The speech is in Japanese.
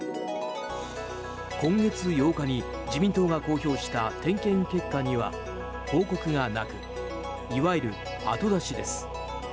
今月８日に自民党が公表した点検結果には報告がなくいわゆる後出しです。